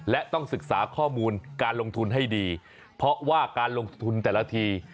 และต้องศึกษาข้อมูลการลงทุนให้ดีเพราะว่าการลงทุนแต่ละที